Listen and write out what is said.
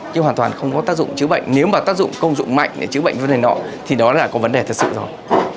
chứ hoàn toàn không có tác dụng chữa bệnh nếu mà tác dụng công dụng mạnh để chữa bệnh vấn đề nọ thì đó là có vấn đề thật sự rồi